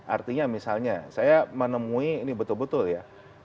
artinya misalnya saya menemui ini betul betul ya